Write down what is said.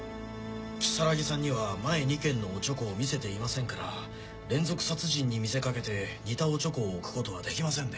如月さんには前２件のオチョコを見せていませんから連続殺人に見せかけて似たオチョコを置くことはできませんね。